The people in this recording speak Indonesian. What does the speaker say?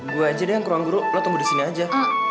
gue aja deh yang kurang guru lo tunggu di sini aja